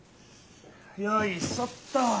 よいしょっと！